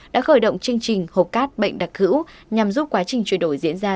đã khởi động chương trình hồ cát bệnh đặc hữu nhằm giúp quá trình truyền đổi diễn ra